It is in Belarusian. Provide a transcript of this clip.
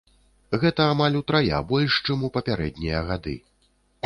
Гэта амаль утрая больш, чым у папярэднія гады.